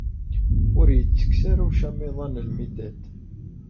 Ur yettekkes ara ucamiḍ-a n lmidad.